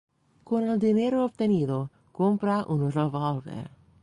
Con el dinero obtenido, compra un revólver.